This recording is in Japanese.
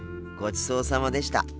ごちそうさまでした。